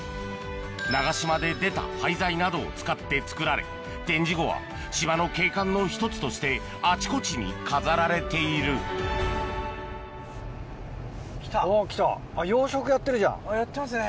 長島で出た廃材などを使って作られ展示後は島の景観の一つとしてあちこちに飾られているやってますね。